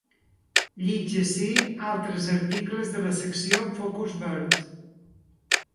Llig ací altres articles de la secció «Focus verd».